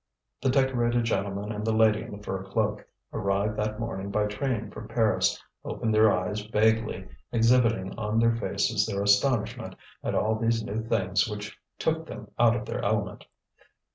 The decorated gentleman and the lady in the fur cloak, arrived that morning by train from Paris, opened their eyes vaguely, exhibiting on their faces their astonishment at all these new things which took them out of their element.